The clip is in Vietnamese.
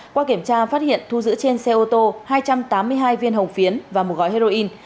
qua kiểm tra phát hiện thu giữ trên xe ô tô hai trăm tám mươi hai viên hồng phiến và một gói heroin